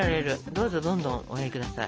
どうぞどんどんおやり下さい。